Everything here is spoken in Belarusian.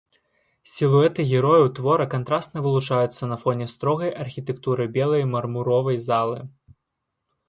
Сілуэты герояў твора кантрасна вылучаюцца на фоне строгай архітэктуры белай мармуровай залы.